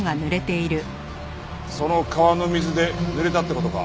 その川の水でぬれたって事か？